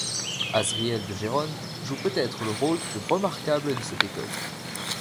Azriel de Gérone joue peut-être le rôle plus remarquable de cette école.